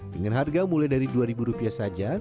dengan harga mulai dari dua ribu rupiah saja